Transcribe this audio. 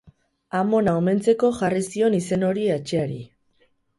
Amona omentzeko jarri zion izen hori etxeari.